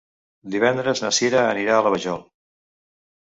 Divendres na Sira anirà a la Vajol.